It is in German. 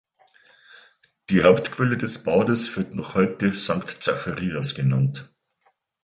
Die Hauptquelle des Bades wird noch heute "Sanct Zacharias" genannt.